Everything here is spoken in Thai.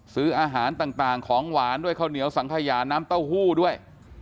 ซื้ออาหารต่างของหวานด้วยข้าวเหนียวสังขยาน้ำเต้าหู้ด้วย